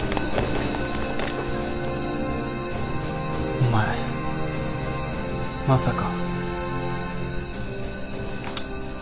お前まさか